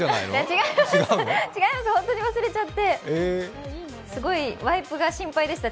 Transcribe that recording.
違います、本当に忘れちゃってすごいワイプが心配でした。